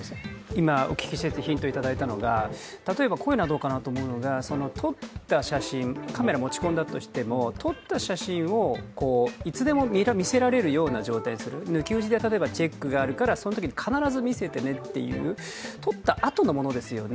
今、お聞きしててヒントをいただいたのは、例えばこういうのはどうかなと思うのはカメラを持ち込んだとしても撮った写真をいつでも見せられるような状態にする、抜き打ちでチェックがあるからそのときに必ず見せてねという撮ったあとのものですよね。